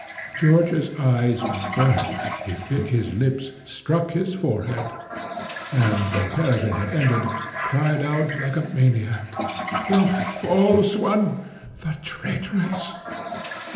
George's eyes burnt, he bit his lips, struck his forehead, and, when Peregrine had ended, cried out like a maniac, "The false one! the traitress!"